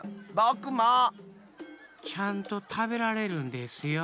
ちゃんとたべられるんですよ。